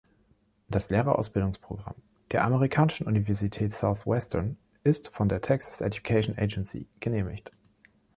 Das Lehrerausbildungsprogramm der amerikanischen Universität Southwestern ist von der Texas Education Agency genehmigt.